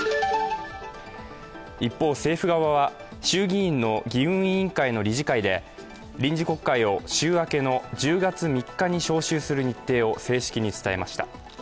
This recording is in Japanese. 一方、政府側は衆議院の議運委員会の理事会で臨時国会を週明けの１０月３日に召集する日程を正式に伝えました。